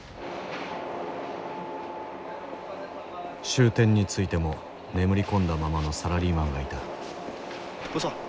終点に着いても眠り込んだままのサラリーマンがいたおじさん